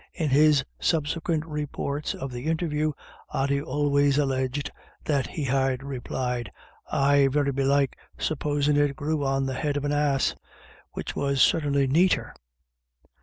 In his subsequent re ports of the interview, Ody always alleged that he had replied : "Aye, very belike, supposin' it grew on the head of an ass," which was certainly neater.